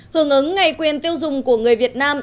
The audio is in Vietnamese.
hưởng ứng ngày quyền tiêu dùng của người việt nam